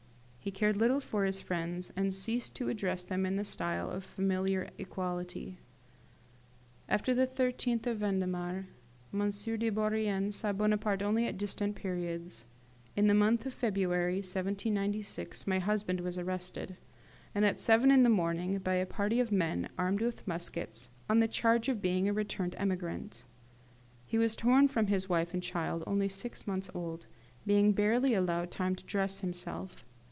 He cared little for his friends, and ceased to address them in the style of familiar equality. After the 13th of Vendemiaire M. de Bourrienne saw Bonaparte only at distant periods. In the month of February 1796 my husband was arrested, at seven in the morning, by a party of men, armed with muskets, on the charge of being a returned emigrant. He was torn from his wife and his child, only six months old, being barely allowed time to dress himself.